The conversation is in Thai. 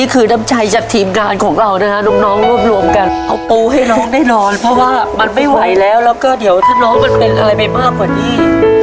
คือน้ำใจจากทีมงานของเรานะฮะน้องรวบรวมกันเอาปูให้น้องได้นอนเพราะว่ามันไม่ไหวแล้วแล้วก็เดี๋ยวถ้าน้องมันเป็นอะไรไปมากกว่านี้